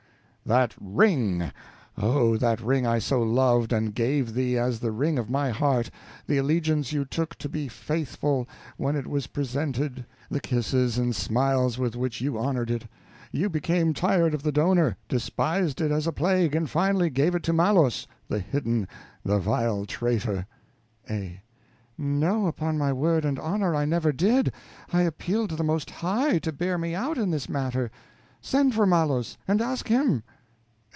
That ring, oh, that ring I so loved, and gave thee as the ring of my heart; the allegiance you took to be faithful, when it was presented; the kisses and smiles with which you honored it. You became tired of the donor, despised it as a plague, and finally gave it to Malos, the hidden, the vile traitor. A. No, upon my word and honor, I never did; I appeal to the Most High to bear me out in this matter. Send for Malos, and ask him.